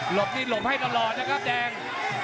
บนี่หลบให้ตลอดนะครับแดง